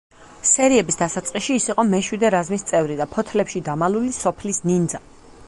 სერიების დასაწყისში ის იყო მეშვიდე რაზმის წევრი და ფოთლებში დამალული სოფლის ნინძა.